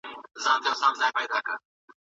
دا ستونزه په ټوله نړۍ کي مشهوره ده.